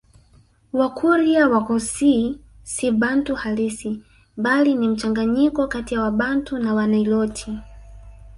Wakurya Waghusii si Bantu halisi bali ni mchanganyiko kati ya Wabantu na Waniloti